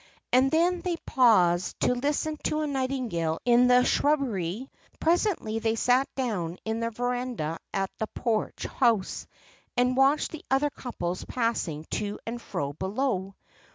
And then they paused to listen to a nightingale in the shrubbery. Presently they sat down in the verandah at the Porch House, and watched the other couples passing to and fro below.